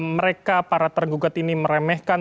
mereka para tergugat ini meremehkan